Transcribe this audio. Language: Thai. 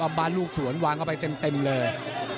บ้านลูกสวนวางเข้าไปเต็มเลย